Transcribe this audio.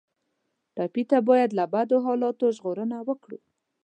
ټپي ته باید له بدو حالاتو ژغورنه ورکړو.